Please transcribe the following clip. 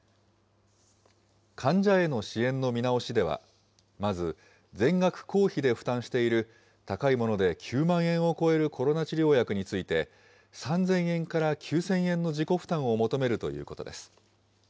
患者への支援の見直しでは、まず、全額公費で負担している、高いもので９万円を超えるコロナ治療薬について、３０００円から９０００円の自己負担を求めるということです。